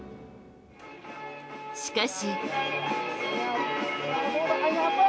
しかし。